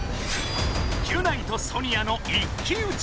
ギュナイとソニアのいっきうち！